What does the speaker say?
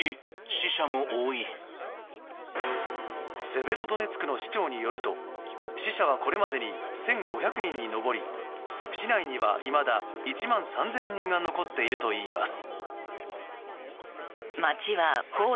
セベロドネツクの市長によると死者はこれまでに１５００人に上り市内にはいまだ１万３０００人が残っているといいます。